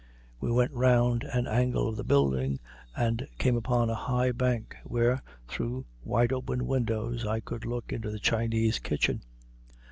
We went round an angle of the building and came upon a high bank, where, through wide open windows, I could look into the Chinese kitchen.